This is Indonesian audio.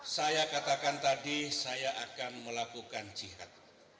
saya katakan tadi saya akan melakukan jihad